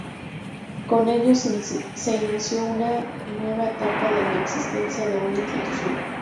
Con ello se inició una nueva etapa en la existencia de la institución.